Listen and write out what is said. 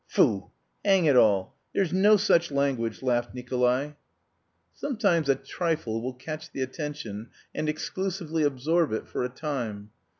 "Foo! hang it all! There's no such language!" laughed Nikolay. Sometimes a trifle will catch the attention and exclusively absorb it for a time.